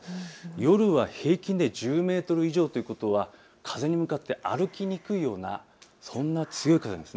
夜は平均で１０メートル以上ということは風に向かって歩きにくいようなそんな強い風です。